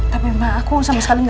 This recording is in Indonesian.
tapi emang aku sama sekali gak